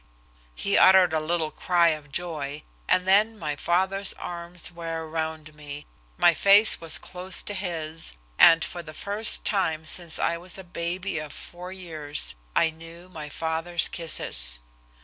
He uttered a little cry of joy, and then my father's arms were around me, my face was close to his, and for the first time since I was a baby of four years I knew my father's kisses.